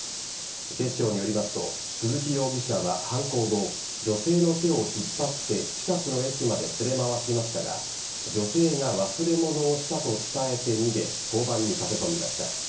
警視庁によりますと鈴木容疑者は犯行後女性の手を引っ張って近くの駅まで連れ回しましたが女性が忘れ物をしたと伝えて逃げ交番に駆け込みました。